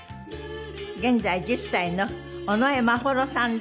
現在１０歳の尾上眞秀さんです。